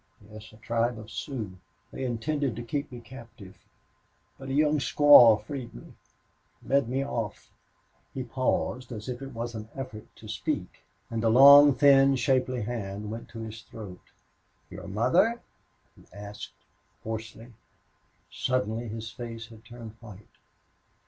"Yes a tribe of Sioux. They intended to keep me captive. But a young squaw freed me led me off." He paused as if it was an effort to speak, and a long, thin, shapely hand went to his throat. "Your mother?" he asked, hoarsely. Suddenly his face had turned white.